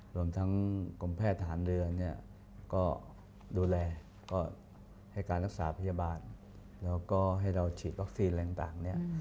รวมทั้งกรมแพทย์ทหารเรือเนี่ยก็ดูแลก็ให้การรักษาพยาบาลแล้วก็ให้เราฉีดวัคซีนอะไรต่างเนี่ย